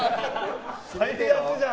最悪じゃん！